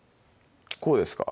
こうですか？